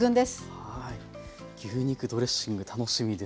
牛肉ドレッシング楽しみです。